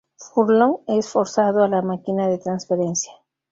Furlong, es forzado a la máquina de transferencia.